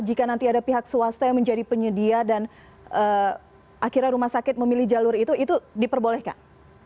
jika nanti ada pihak swasta yang menjadi penyedia dan akhirnya rumah sakit memilih jalur itu itu diperbolehkan